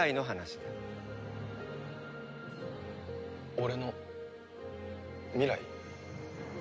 俺の未来？